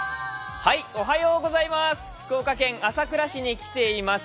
福岡県朝倉市に来ています。